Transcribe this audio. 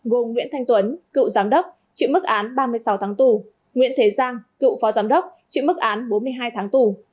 gồm nguyễn thanh tuấn cựu giám đốc chịu mức án ba mươi sáu tháng tù nguyễn thế giang cựu phó giám đốc chịu mức án bốn mươi hai tháng tù